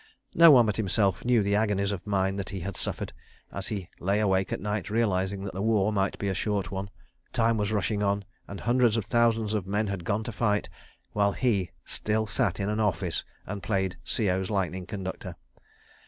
No one but himself knew the agonies of mind that he had suffered, as he lay awake at night realising that the war might he a short one, time was rushing on, and hundreds of thousands of men had gone to fight—while he still sat in an office and played C.O.'s lightning conductor.